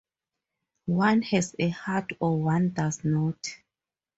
One has a heart or one does not'.